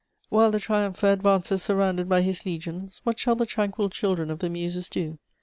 "While the triumpher advances surrounded by his legions, what shall the tranquil children of the Muses do?